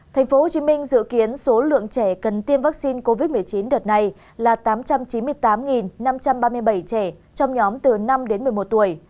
thành phố hồ chí minh dự kiến số lượng trẻ cần tiêm vaccine covid một mươi chín đợt này là tám trăm chín mươi tám năm trăm ba mươi bảy trẻ trong nhóm từ năm đến một mươi một tuổi